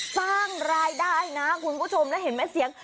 สร้างรายได้นะคุณผู้ชมแล้วเห็นไหมเสียง